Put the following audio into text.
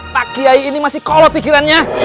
pak kiai ini masih kolom pikirannya